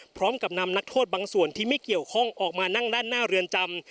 พร้อมกับนำนักโทษบางส่วนที่ไม่เกี่ยวข้องออกมานั่งด้านหน้าเรือนจำ